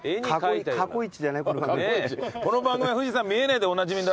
この番組は富士山見えないでおなじみだったのに。